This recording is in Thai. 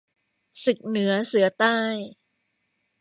ศึกเสือเหนือใต้